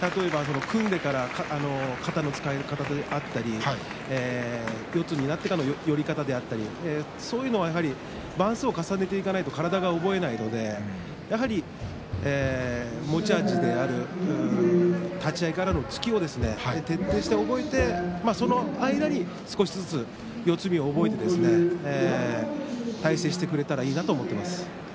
組んでから肩の使い方であったり四つになってからの寄り方であったりそういうのは番数を重ねていかないと体が覚えないので持ち味である立ち合いからの突きを徹底して覚えてその間に少しずつ四つ身を覚えてですね大成してくれたらいいなと思っています。